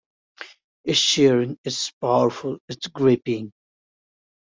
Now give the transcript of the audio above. It's searing, it's powerful, it's gripping.